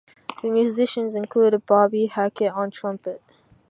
The musicians included Bobby Hackett on trumpet.